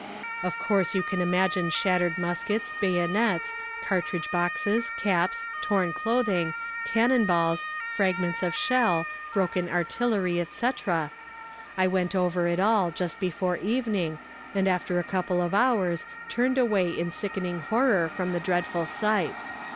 Of course you can imagine shattered muskets, bayonets, cartridge boxes, caps, torn clothing, cannon balls, fragments of shell, broken artillery, etc. I went over it all just before evening, and after a couple of hours turned away in sickening horror from the dreadful sight.